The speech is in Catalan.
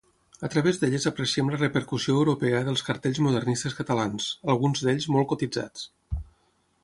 A través d'elles apreciem la repercussió europea dels cartells modernistes catalans, alguns d’ells molt cotitzats.